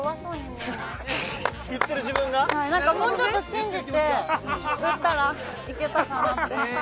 もうちょっと信じて打ったらいけたかなって。